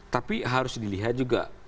tapi harus dilihat juga